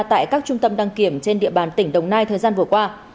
tại các trung tâm đăng kiểm trên địa bàn tỉnh đồng nai thời gian vừa qua